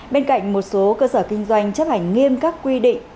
bên cạnh một số cơ sở kinh doanh chấp hành nghiêm các quy định